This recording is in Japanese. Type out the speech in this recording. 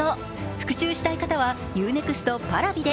復習したい方はＵ−ＮＥＸＴＰａｒａｖｉで。